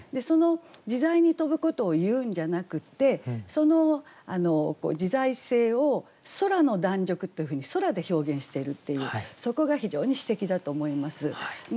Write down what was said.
その自在に飛ぶことをいうんじゃなくってその自在性を「空の弾力」というふうに「空」で表現しているっていうそこが非常に詩的だと思います。